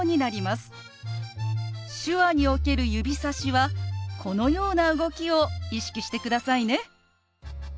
手話における指さしはこのような動きを意識してくださいね。